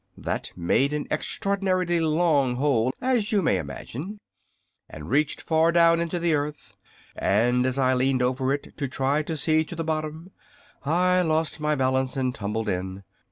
That made an extraordinary long hole, as you may imagine, and reached far down into the earth; and, as I leaned over it to try to see to the bottom, I lost my balance and tumbled in.